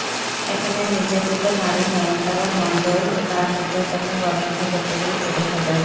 এখানে নির্যাতিত নারী নয়নতারা মণ্ডল তাঁর নির্যাতনের বর্ণনা করতে গিয়ে কেঁদে ফেলেন।